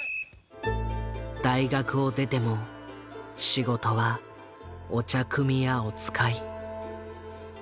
大学を出ても仕事はお茶くみやお使い。